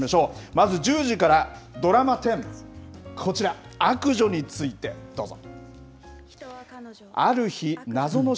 まず１０時から、ドラマ１０こちら悪女について、どうぞ。